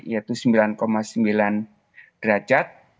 yaitu sembilan sembilan derajat